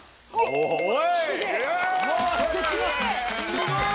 すごい！